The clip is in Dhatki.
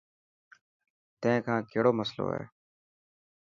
تين کان ڪهڙو مصلو هي.